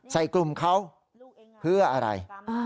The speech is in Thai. ใส่กลุ่มเขาเพื่ออะไร